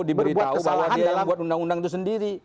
diberitahu bahwa dia membuat undang undang itu sendiri